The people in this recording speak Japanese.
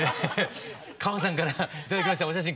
歌穂さんから頂きましたお写真